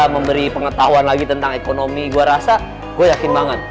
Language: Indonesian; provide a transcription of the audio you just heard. memberi pengetahuan lagi tentang ekonomi gue rasa gue yakin banget